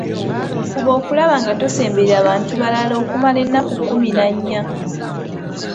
Fuba okulaba nga tosemberera bantu balala okumala ennaku kkumi na nnya.